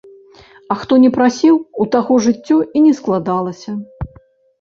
А хто не прасіў, у таго жыццё і не складалася.